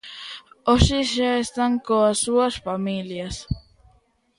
Hoxe xa están coas súas familias.